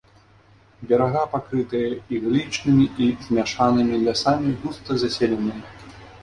Берага пакрытыя іглічнымі і змяшанымі лясамі, густа заселеныя.